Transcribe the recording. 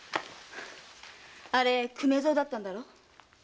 あれ粂蔵だったんだろ？